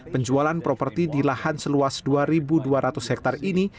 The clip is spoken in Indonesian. penjualan properti di lahan seluas dua dua ratus hektare ini